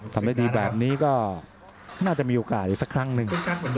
ทำได้ดีแบบนี้ก็น่าจะมีโอกาสอีกสักครั้งหนึ่ง